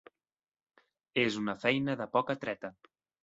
És una feina de poca treta.